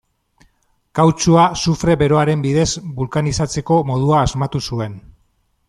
Kautxua sufre beroaren bidez bulkanizatzeko modua asmatu zuen.